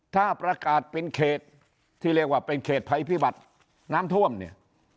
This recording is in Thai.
ถ้าประกาศเป็นเขตที่เรียกว่าเป็นเขตภัยพิบัติน้ำท่วมเนี่ย